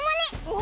お！